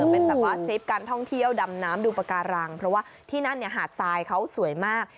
เป็นแบบว่าทริปการท่องเที่ยวดำน้ำดูปากการังเพราะว่าที่นั่นหาดทรายเขาสวยมาก